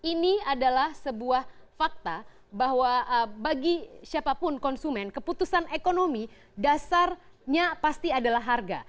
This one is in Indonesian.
ini adalah sebuah fakta bahwa bagi siapapun konsumen keputusan ekonomi dasarnya pasti adalah harga